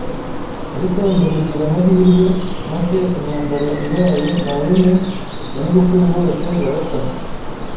ariko nza kugira amahirwe make intambara ibaye marume na nyogokuru bose barapfa